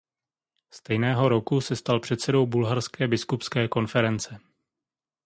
Stejného roku se stal předsedou Bulharské biskupské konference.